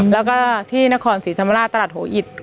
แล้วก็ที่นครศรีธรรมราชตลาดหัวอิต